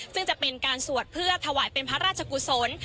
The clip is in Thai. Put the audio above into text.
ซึ่งจะเป็นการสวดเพื่อถวายเป็นพระราชกุศล